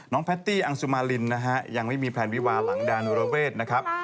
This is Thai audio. น้องแพทตี้อังสุมารินยังไม่มีแพลนวิวาหลังดาวนุรเวศนะครับ